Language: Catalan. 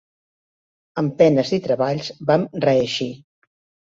Amb penes i treballs vam reeixir.